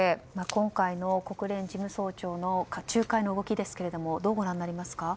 今回の国連事務総長の仲介の動きですがどうご覧になりますか？